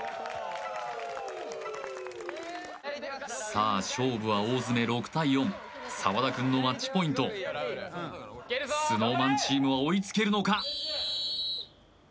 さあ勝負は大詰め６対４澤田くんのマッチポイントＳｎｏｗＭａｎチームは追いつけるのか？